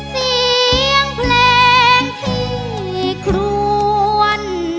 เสียงเพลงที่ครวน